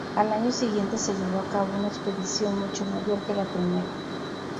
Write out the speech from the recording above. Al año siguiente se llevó a cabo una expedición mucho mayor que la primera.